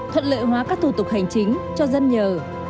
thuận lợi hóa các thủ tục hành chính cho dân nhờ